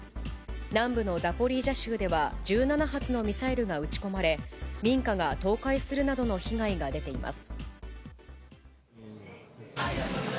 南部のザポリージャ州では１７発のミサイルが撃ち込まれ、民家が倒壊するなどの被害が出ています。